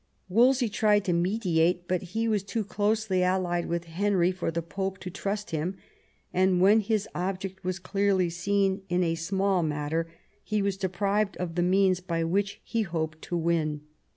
Wolsey tried to mediate, but he was too closely allied with Henry for the Pope to trust him, and when his object was clearly seen in a small matter he was deprived of the means by which he hoped to win.